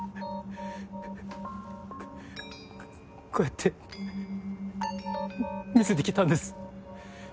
こうやって見せてきたんです。